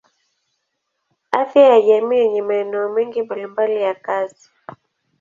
Afya ya jamii yenye maeneo mengi mbalimbali ya kazi.